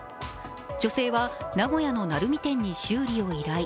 女性は名古屋の鳴海店に修理を依頼。